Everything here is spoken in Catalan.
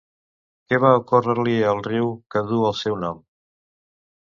Què va ocórrer-li al riu que du el seu nom?